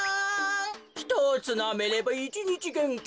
ひとつなめれば１にちげんき。